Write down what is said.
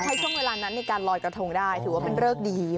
ใช้เวลานั้นในการลอยกระทงได้ถือว่าเป็นเริกดี